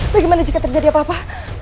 bagaimana jika terjadi apa apa